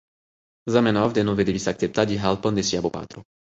Zamenhof denove devis akceptadi helpon de sia bopatro.